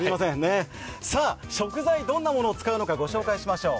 食材、どんなものを使うのかご紹介しましょう。